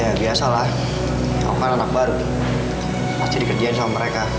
ya biasa lah aku kan anak baru pasti dikerjain sama mereka